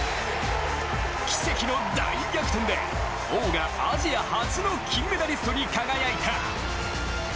奇跡の大逆転で王がアジア初の金メダリストに輝いた。